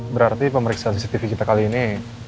berarti pemeriksaan cctv kita kali ini